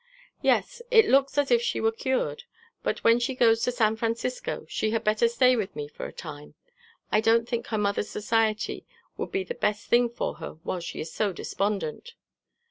"Yes, it looks as if she were cured. But when she goes to San Francisco, she had better stay with me for a time. I don't think her mother's society would be the best thing for her while she is so despondent."